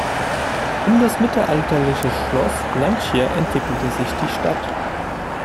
Um das mittelalterliche Schloss Lancia entwickelte sich die Stadt.